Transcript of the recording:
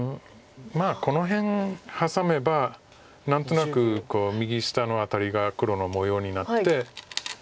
まあこの辺ハサめば何となく右下の辺りが黒の模様になって。